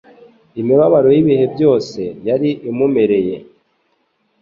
Imibabaro y'ibihe byose yari imuremereye.